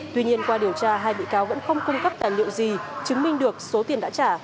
tuy nhiên qua điều tra hai bị cáo vẫn không cung cấp tài liệu gì chứng minh được số tiền đã trả